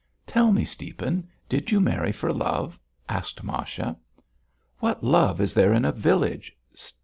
"Tell me, Stiepan. Did you marry for love?" asked Masha. "What love is there in a village?"